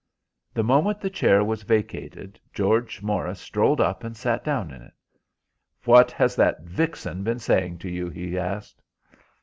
The moment the chair was vacated, George Morris strolled up and sat down on it. "What has that vixen been saying to you?" he asked.